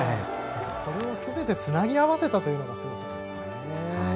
それをすべてつなぎ合わせたのが強さですね。